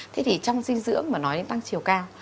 thế thì trong dinh dưỡng mà nói đến tăng chiều cao